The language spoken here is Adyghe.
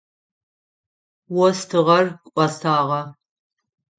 Остыгъэр кӏосагъэ.